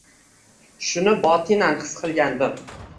Shuni botinan his qilgandim.